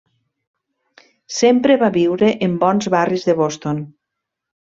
Sempre va viure en bons barris de Boston.